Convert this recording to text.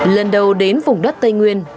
lần đầu đến vùng đất tây nguyên